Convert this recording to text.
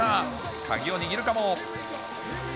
鍵を握るかも？